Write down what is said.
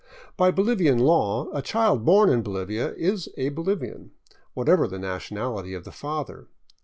By Bolivian law a child born in Bolivia is a Bolivian, what ever the nationality of the father.